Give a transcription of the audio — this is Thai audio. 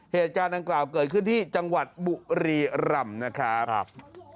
เหตุการณ์ดังกล่าวเกิดขึ้นที่จังหวัดบุรีรำนะครับ